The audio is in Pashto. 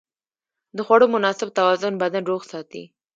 د خوړو مناسب توازن بدن روغ ساتي.